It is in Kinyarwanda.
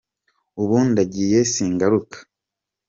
Ubu ndagiye singaruka.